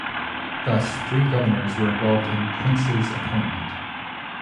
Thus, three Governors were involved in Quince's appointment.